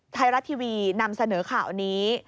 ไทยรัฐทีวีนำเสนอข่าวนี้